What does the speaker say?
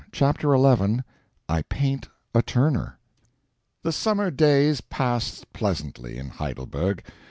CHAPTER XI [I Paint a "Turner"] The summer days passed pleasantly in Heidelberg.